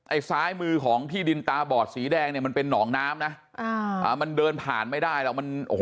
ไอ้ซ้ายมือของพี่ดินตาบอดสีแดงเนี่ยมันเป็นนอกน้ำนะมันเดินผ่านไม่ได้แล้ว